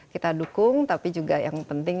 kita dukung tapi juga yang penting